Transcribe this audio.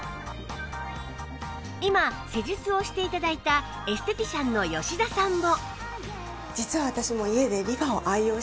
今施術をして頂いたエステティシャンの吉田さんも